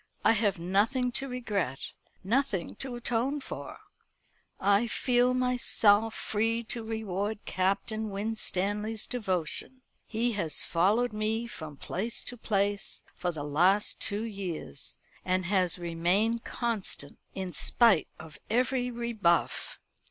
I have nothing to regret, nothing to atone for. I feel myself free to reward Captain Winstanley's devotion. He has followed me from place to place for the last two years; and has remained constant, in spite of every rebuff.